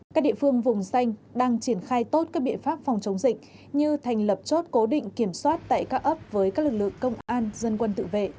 các địa phương vùng xanh đang triển khai tốt các biện pháp phòng chống dịch như thành lập chốt cố định kiểm soát tại các ấp với các lực lượng công an dân quân tự vệ